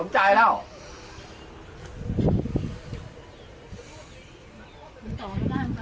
ไม่ดัดอีกแล้ว